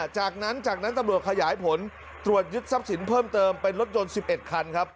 จากนั้นจากนั้นตำรวจขยายผลตรวจยึดทรัพย์สินเพิ่มเติมเป็นรถยนต์๑๑คันครับ